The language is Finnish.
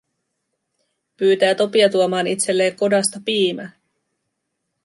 Pyytää Topia tuomaan itselleen kodasta piimää.